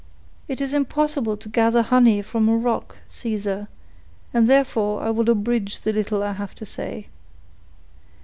"It is impossible to gather honey from a rock, Caesar, and therefore I will abridge the little I have to say.